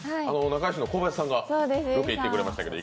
仲良しの小林さんがロケに行ってくれましたけど？